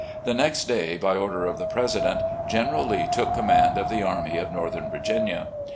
The next day, by order of the President, General Lee took command of the Army of Northern Virginia.